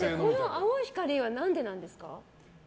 青い光は何でなんですか？